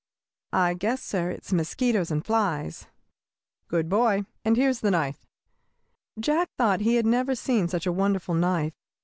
"I guess, sir, it is mosquitoes and flies." "Good boy, and here's the knife." Jack thought he had never seen such a wonderful knife.